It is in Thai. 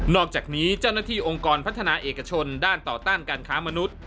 อกจากนี้เจ้าหน้าที่องค์กรพัฒนาเอกชนด้านต่อต้านการค้ามนุษย์